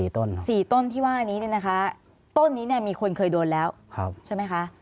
๔ต้นที่ว่านี้ต้นนี้มีคนเคยโดนแล้วใช่ไหมคะ